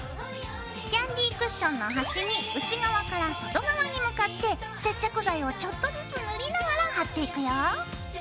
キャンディークッションの端に内側から外側に向かって接着剤をちょっとずつ塗りながら貼っていくよ。